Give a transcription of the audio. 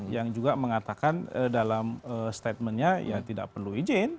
yang juga mengatakan dalam statementnya ya tidak perlu izin